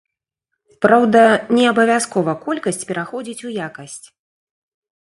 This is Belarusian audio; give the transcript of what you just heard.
Праўда, не абавязкова колькасць пераходзіць у якасць.